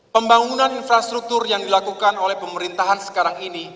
pembangunan infrastruktur yang dilakukan oleh pemerintahan sekarang ini